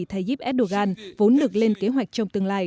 tayyip erdogan vốn được lên kế hoạch trong tương lai